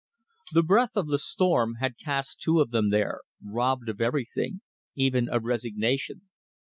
The breath of the storm had cast two of them there, robbed of everything even of resignation.